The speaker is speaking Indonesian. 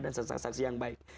dan saksi saksi yang baik